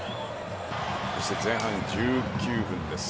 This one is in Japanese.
そして、前半１９分です。